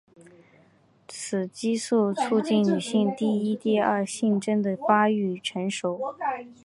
雌激素促进女性第一第二性征的发育成熟。